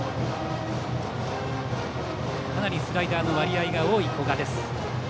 かなりスライダーの割合が多い古賀。